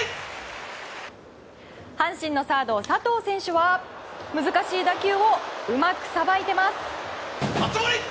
阪神のサード、佐藤選手は難しい打球をうまくさばいています。